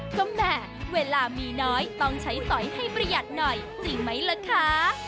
ก็แหมเวลามีน้อยต้องใช้สอยให้ประหยัดหน่อยจริงไหมล่ะคะ